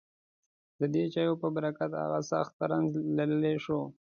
ددې چایو په برکت هغه سخت رنځ لېرې شو.